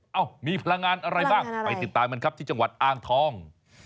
ฮะพลังงานอะไรไปติดตามกันครับที่จังหวัดอ้างทอง